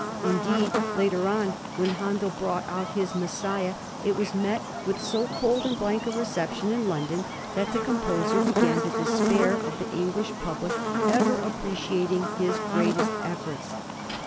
Indeed,^ later on, when Handel brought out his '* Messiah," it was met with so cold and blank a reception in London that the composer began to despair of the English public ever appreciating his greatest efforts.